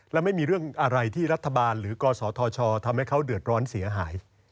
และไม่มีเรื่องอะไรที่รัฐบาลหรือกศธชทำให้เขาเดือดร้อนเสียหาย